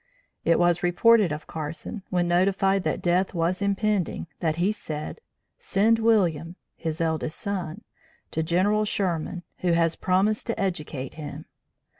It was reported of Carson, when notified that death was impending, that he said, 'Send William, (his eldest son) to General Sherman who has promised to educate him.'